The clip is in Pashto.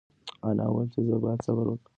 انا وویل چې زه باید صبر وکړم.